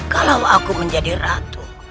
kalau aku menjadi ratu